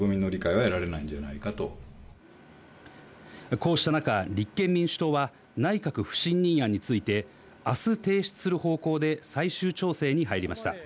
こうした中、立憲民主党は内閣不信任案について、あす提出する方向で最終調整に入りました。